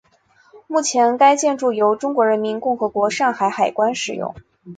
目前该建筑由中华人民共和国上海海关使用。